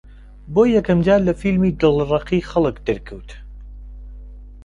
بۆ یەکەم جار لە فیلمی «دڵڕەقی خەڵک» دەرکەوت